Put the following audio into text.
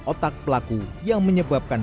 otak pelaku yang menyebabkan